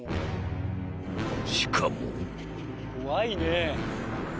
［しかも］